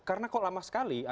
karena kok lama sekali